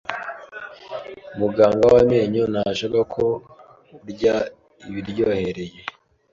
Muganga w amenyo ntashaka ko urya ibiryohereye.